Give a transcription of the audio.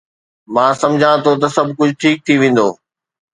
مان سمجهان ٿو ته سڀ ڪجهه ٺيڪ ٿي ويندو